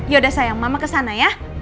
yaudah sayang mama kesana ya